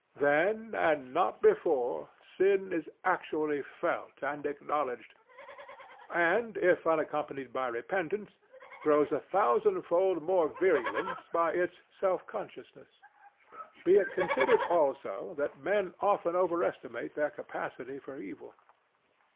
Then, and not before, sin is actually felt and acknowledged, and, if unaccompanied by repentance, grows a thousandfold more virulent by its self consciousness. Be it considered, also, that men often overestimate their capacity for evil.